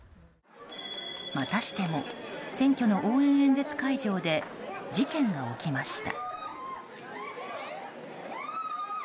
またしても選挙の応援演説会場で事件が起きました。